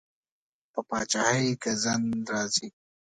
په پادشاهۍ ګزند راځي.